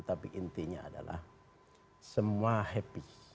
tapi intinya adalah semua happy